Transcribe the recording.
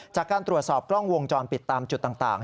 จากการตรวจสอบกล้องวงจรปิดตามจุดต่าง